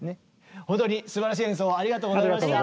ほんとにすばらしい演奏をありがとうございました。